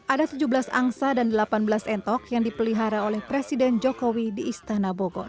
ada tujuh belas angsa dan delapan belas entok yang dipelihara oleh presiden jokowi di istana bogor